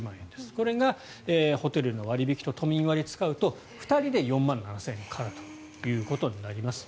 これがホテルの割引と都民割を使うと２人で４万７０００円からとなります。